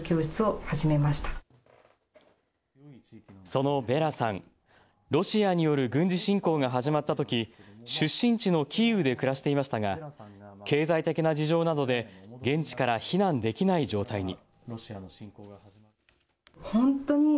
そのヴェラさん、ロシアによる軍事侵攻が始まったとき出身地のキーウで暮らしていましたが経済的な事情などで現地から避難できない状態に。